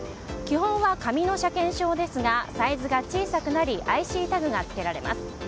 基本は紙の車検証ですがサイズが小さくなりＩＣタグがつけられます。